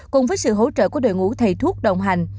cùng với sự hỗ trợ của đội ngũ thầy thuốc đồng hành